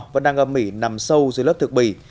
vẫn đang ở mỉ nằm sâu dưới lớp thực bỉ